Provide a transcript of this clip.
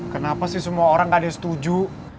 kenapa sih semua orang gak ada yang setuju